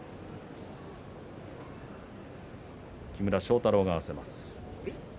木村庄太郎が合わせます。